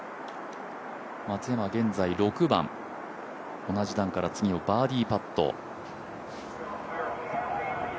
松山は現在６番、同じ段からバーディーパット。